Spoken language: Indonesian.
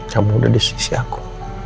kamu udah di sisi aku